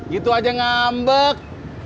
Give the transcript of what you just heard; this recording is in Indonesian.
gitu aja ngambek